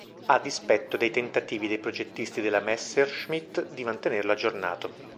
A dispetto dei tentativi dei progettisti della Messerschmitt di mantenerlo aggiornato.